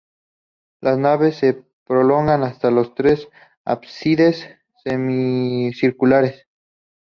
Las naves se prolongan hasta los tres ábsides semicirculares.